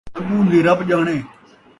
اڳّوں دی رب ڄاݨے